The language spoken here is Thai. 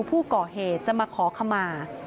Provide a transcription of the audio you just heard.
ผู้ก่อเหตุจะมาขอขมา